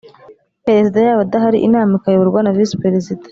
Perezida yaba adahari inama ikayoborwa na Visi Perezida